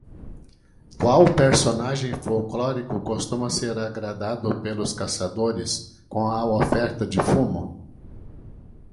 Qual personagem folclórico costuma ser agradado pelos caçadores com a oferta de fumo?